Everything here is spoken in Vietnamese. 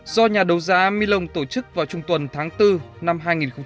do nhà đấu giá milong tổ chức vào chung tuần tháng bốn năm hai nghìn hai mươi bốn